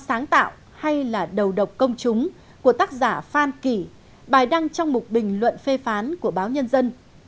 sáng tạo hay là đầu độc công chúng của tác giả phan kỳ bài đăng trong một bình luận phê phán của báo nhân dân